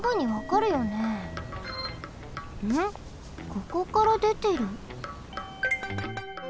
ここからでてる？